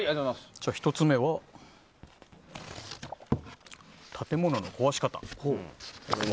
１つ目は、建物の壊し方。